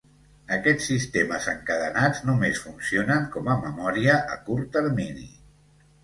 Aquests sistemes encadenats només funcionen com a memòria a curt termini.